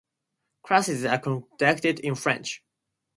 Classes are conducted in French.